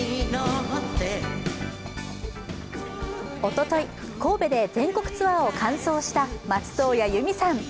おととい、神戸で全国ツアーを完走した松任谷由実さん。